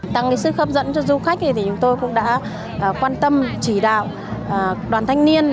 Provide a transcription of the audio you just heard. tăng sự khắp dẫn cho du khách thì chúng tôi cũng đã quan tâm chỉ đạo đoàn thanh niên